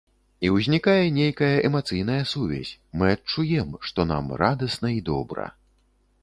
І ўзнікае нейкая эмацыйная сувязь, мы адчуем, што нам радасна і добра.